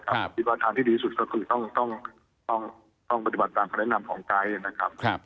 คิดว่าทางที่ดีสุดก็คือต้องปฏิบัติตามคำแนะนำของไกด์นะครับ